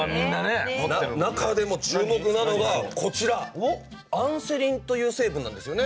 中でも注目なのがこちらアンセリンという成分なんですよね。